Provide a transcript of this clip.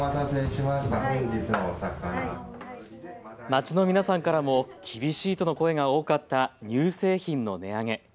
街の皆さんからも厳しいとの声が多かった乳製品の値上げ。